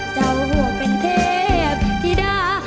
เจ้าหัวเป็นเทพธิดา